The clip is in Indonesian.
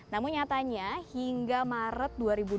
namun nyatanya hingga maret dua ribu dua puluh